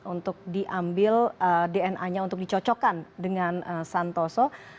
untuk diambil dna nya untuk dicocokkan dengan santoso